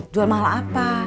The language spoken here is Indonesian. jual mahal apa